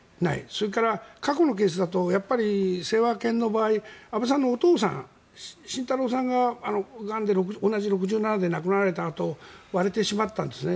それから、過去のケースだと清和系の場合安倍さんのお父さん晋太郎さんが、がんで同じ６７で亡くなられたあと割れてしまったんですね。